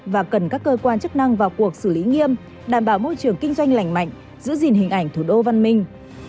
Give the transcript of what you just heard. và cần các cơ quan chức năng vào cuộc xử lý nghiêm đảm bảo môi trường kinh doanh lành mạnh giữ gìn hình ảnh thủ đô văn minh